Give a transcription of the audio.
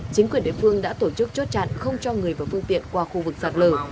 chính quyền địa phương đã tổ chức chốt chặn không cho người vào phương tiện qua khu vực sạt lở